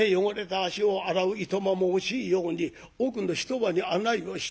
足を洗ういとまも惜しいように奥の一間に案内をして。